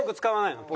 使わない。